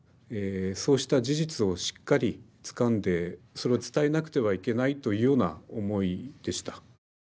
そうした事実をしっかりつかんでそれを伝えなくてはいけないというような思いでした。